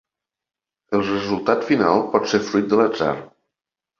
El resultat final pot ser fruit de l'atzar.